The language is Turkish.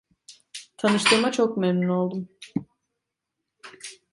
Tanıştığıma çok memnun oldum.